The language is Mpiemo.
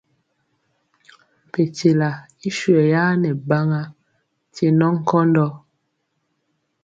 Mpekyela i swɛyaa nɛ baŋa nkye nɔ nkɔndɔ.